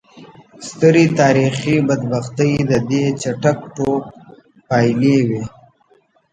سترې تاریخي بدبختۍ د دې چټک ټوپ پایلې وې.